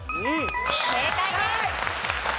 正解です。